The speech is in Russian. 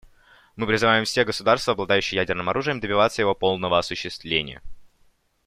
Мы призываем все государства, обладающие ядерным оружием, добиваться его полного осуществления.